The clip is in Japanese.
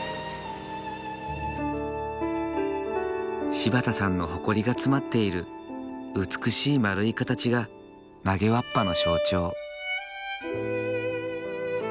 柴田さんの誇りが詰まっている美しい円い形が曲げわっぱの象徴。